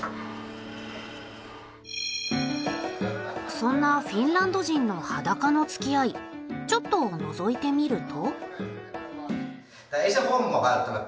そんなフィンランド人の裸のつきあいちょっとのぞいてみると。